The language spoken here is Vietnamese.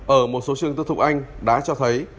ở một số trường tư thục anh đã cho thấy